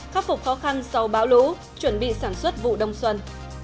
khắc phục khó khăn sau bão lũ chuẩn bị sản xuất vụ đông xuân